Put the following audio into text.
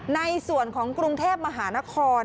ในส่วนของกรุงเทพมหานคร